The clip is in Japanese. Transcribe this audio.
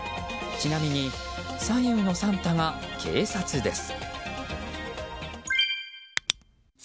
ちなみに左右のサンタが警察です。